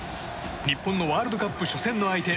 日本のワールドカップ初戦の相手